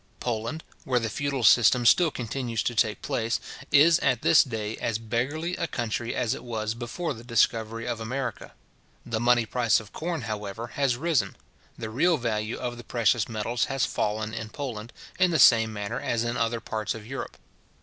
Poland, where the feudal system still continues to take place, is at this day as beggarly a country as it was before the discovery of America. The money price of corn, however, has risen; the real value of the precious metals has fallen in Poland, in the same manner as in other parts of Europe.